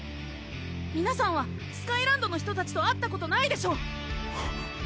皆さんはスカイランドの人たちと会ったことないでしょう